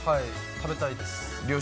食べたいです。